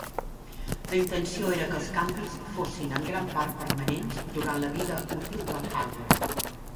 La intenció era que els canvis fossin en gran part permanents durant la vida útil del hardware.